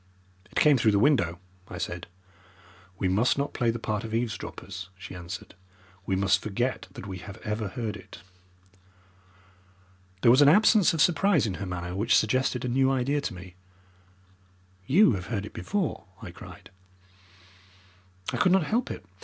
"It came through the window," I said. "We must not play the part of eavesdroppers," she answered. "We must forget that we have ever heard it." There was an absence of surprise in her manner which suggested a new idea to me. "You have heard it before," I cried. "I could not help it.